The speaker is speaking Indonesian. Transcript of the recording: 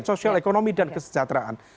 sosial ekonomi dan kesejahteraan